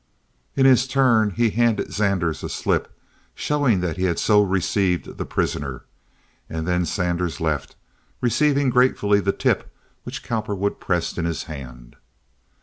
In his turn he handed Zanders a slip, showing that he had so received the prisoner; and then Zanders left, receiving gratefully the tip which Cowperwood pressed in his hand.